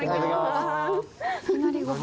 「いきなりご飯」